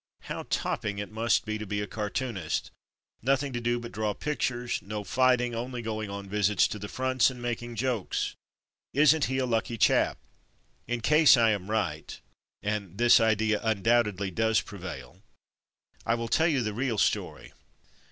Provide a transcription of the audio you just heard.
How topping it must be to be a cartoonist; nothing to do but draw pictures; no fighting, only going on visits to the fronts and making jokes; isn't he a lucky chap?'' In case I am right (and this idea undoubt edly does prevail), I will tell you the real story.